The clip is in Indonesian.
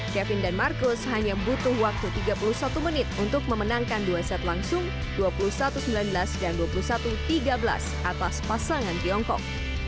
kevin dan marcus hanya butuh waktu tiga puluh satu menit untuk memenangkan dua set langsung dua puluh satu sembilan belas dan dua puluh satu tiga belas atas pasangan tiongkok